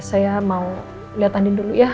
saya mau lihat andin dulu ya